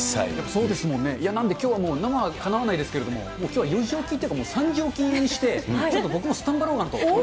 そうですもんね、きょうはもう生はかなわないですけれども、もうきょうは４時起きというか３時起きにして、ちょっと僕もスタンバろうかなと。